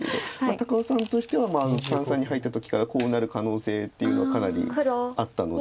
高尾さんとしては三々に入った時からこうなる可能性というのはかなりあったので。